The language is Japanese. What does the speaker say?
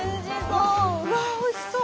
おいしそう。